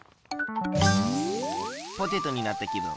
ポテトになったきぶん。